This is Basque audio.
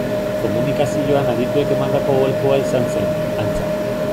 Komunikazioan adituek emandako aholkua izan zen, antza.